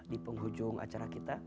di penghujung acara kita